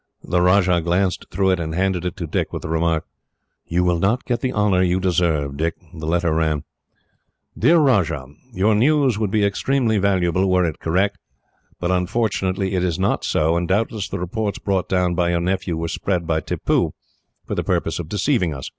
The Rajah glanced through it, and handed it to Dick, with the remark: "You will not get the honour you deserve, Dick." The letter ran: "Dear Rajah: "Your news would be extremely valuable, were it correct; but unfortunately it is not so, and doubtless the reports brought down by your nephew were spread by Tippoo, for the purpose of deceiving us.